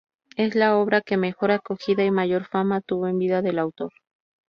Es la obra que mejor acogida y mayor fama tuvo en vida del autor.